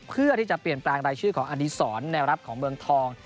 เพื่อที่จะเปลี่ยนแปลงรายชื่อของอดีศรแนวรับของเมืองทอง